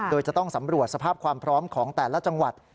โดยจะต้องสำรวจสภาพความพร้อมของแต่ละจังหวัด